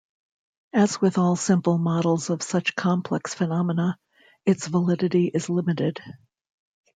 As with all simple models of such complex phenomena, its validity is limited.